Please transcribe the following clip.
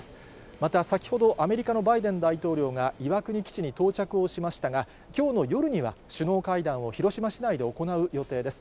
また先ほど、アメリカのバイデン大統領が岩国基地に到着をしましたが、きょうの夜には、首脳会談を広島市内で行う予定です。